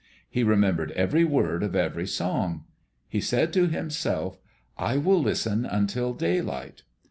He remembered every word of every song. He said to himself, "I will listen until daylight."